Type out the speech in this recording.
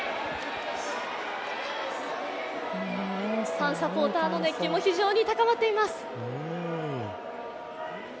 ファン、サポーターの熱気も非常に高まっています。